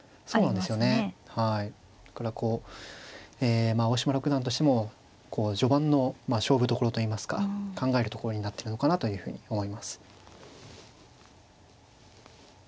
だからこうえまあ青嶋六段としても序盤の勝負どころといいますか考えるところになってるのかなというふうに思います。